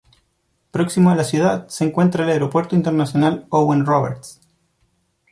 Próximo a la ciudad se encuentra el Aeropuerto Internacional Owen Roberts.